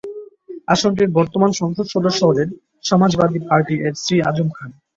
আসনটির বর্তমান সংসদ সদস্য হলেন সমাজবাদী পার্টি-এর শ্রী আজম খান।